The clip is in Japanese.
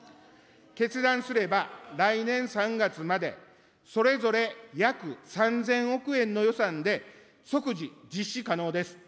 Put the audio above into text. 決断すれば来年３月まで、それぞれ約３０００億円の予算で、即時実施可能です。